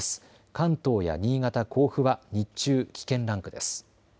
関東や新潟、甲府は日中危険ランクです。